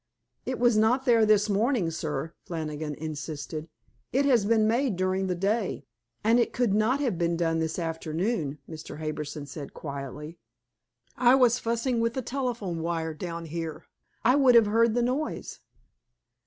"It was not there this morning, sir," Flannigan insisted. "It has been made during the day." "And it could not have been done this afternoon," Mr. Harbison said quietly. "I was fussing with the telephone wire down here. I would have heard the noise."